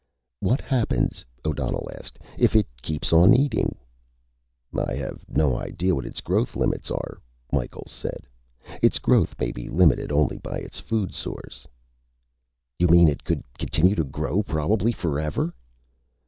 "What happens," O'Donnell asked, "if it keeps on eating?" "I have no idea what its growth limits are," Micheals said. "Its growth may be limited only by its food source." "You mean it could continue to grow probably forever?"